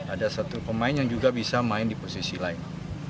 ada satu pemain yang juga bisa main di posisi lain